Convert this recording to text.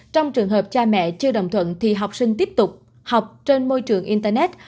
trong trường hợp cha mẹ chưa đồng thuận thì học sinh tiếp tục học trên môi trường internet